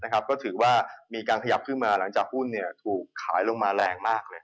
ก็ถือว่ามีการขยับขึ้นมาหลังจากหุ้นถูกขายลงมาแรงมากเลย